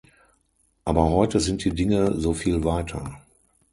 Aber heute sind die Dinge so viel weiter.